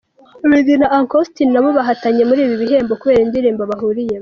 Meddy na Uncle Austin na bo bahatanye muri ibi bihembo kubera indirimbo bahuriyemo.